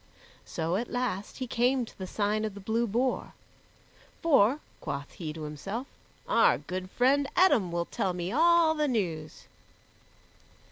So at last he came to the Sign of the Blue Boar. "For," quoth he to himself, "our good friend Eadom will tell me all the news."